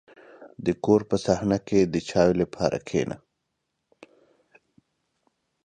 • د کور په صحنه کې د چایو لپاره کښېنه.